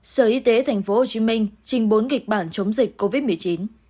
sở y tế tp hcm trình bốn kịch bản chống dịch covid một mươi chín